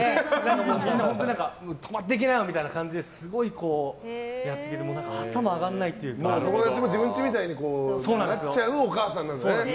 でも、みんな泊まっていきなよみたいな感じですごいやってくれて友達も自分ちみたいになっちゃうお母さんなんだね。